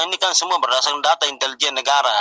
ini kan semua berdasarkan data intelijen negara